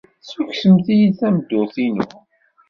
Tessukksemt-iyi-d tameddurt-inu.